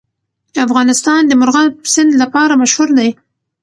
افغانستان د مورغاب سیند لپاره مشهور دی.